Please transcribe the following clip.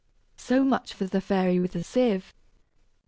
So much for the fairy with the sieve!